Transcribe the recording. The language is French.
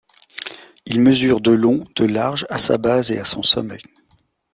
Il mesure de long, de large à sa base et à son sommet.